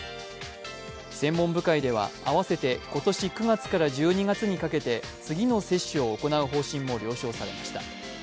専門部会では合わせて今年９月から１２月にかけて次の接種を行う方針も了承されました。